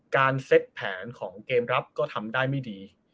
เซ็ตแผนของเกมรับก็ทำได้ไม่ดี